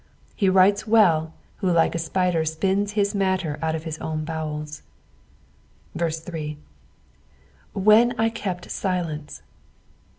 He writes well who like the spider spins his matter out of his own bowels. 8. "Witen I h»pt rilenee."